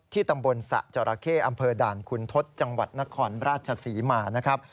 ตำบลสะจราเข้อำเภอด่านคุณทศจังหวัดนครราชศรีมานะครับ